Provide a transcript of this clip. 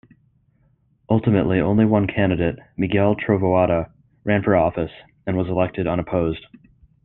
Ultimately only one candidate, Miguel Trovoada, ran for office, and was elected unopposed.